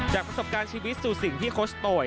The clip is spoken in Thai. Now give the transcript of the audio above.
ประสบการณ์ชีวิตสู่สิ่งที่โคชโตย